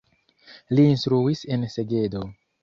Li instruis en Segedo.